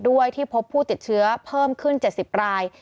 ที่พบผู้ติดเชื้อเพิ่มขึ้น๗๐ราย